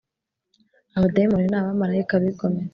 Abadayimoni ni abamarayika bigometse